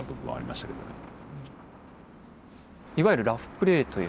いわゆるラフプレーという？